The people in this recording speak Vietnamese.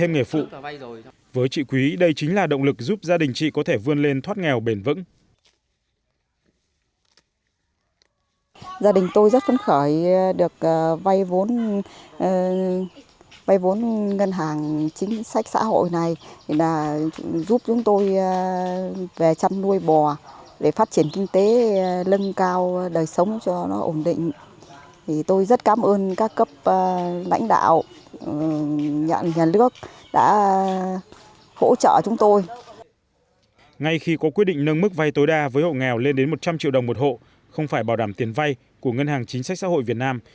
ngay khi có quyết định nâng mức vai tối đa với hộ nghèo lên đến một trăm linh triệu đồng một hộ không phải bảo đảm tiền vai của ngân hàng chính sách xã hội việt nam